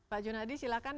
pak junadi silahkan